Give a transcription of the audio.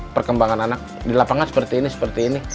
perkembangan anak di lapangan seperti ini seperti ini